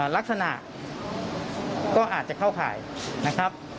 ลักษณะก็อาจจะเข้าข่ายนะครับ